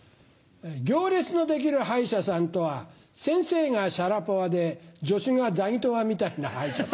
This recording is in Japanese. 行列の出来る歯医者さんとは先生がシャラポワで助手がザギトワみたいな歯医者さん。